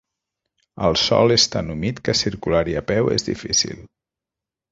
El sòl és tan humit que circular-hi a peu és difícil.